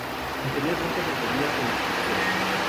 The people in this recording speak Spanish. Anteriormente requería prescripción.